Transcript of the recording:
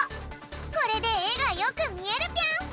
これでえがよくみえるぴょん！